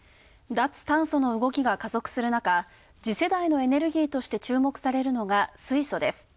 脱炭素の動きが加速するなか、次世代のエネルギーとして注目されるのが、水素です。